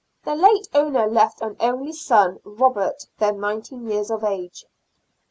Their late owner left an only son, Robert, then 19 years of age.